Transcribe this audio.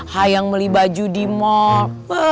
hayang beli baju di mall